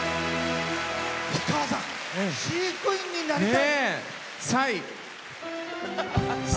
氷川さん、飼育員になりたい。